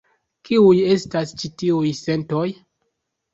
Kiuj estas ĉi tiuj sentoj?